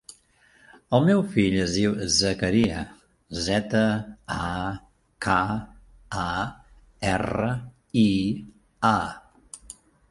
El meu fill es diu Zakaria: zeta, a, ca, a, erra, i, a.